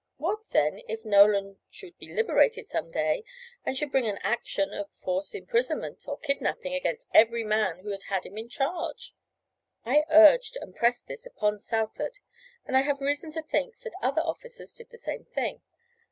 What, then, if Nolan should be liberated some day, and should bring an action of false imprisonment or kidnapping against every man who had had him in charge? I urged and pressed this upon Southard, and I have reason to think that other officers did the same thing.